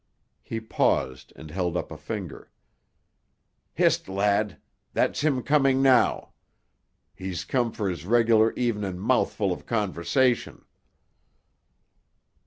He paused and held up a finger. "Hist, lad. That's him coming noo. He's come for his regular evening's mouthfu' of conversation."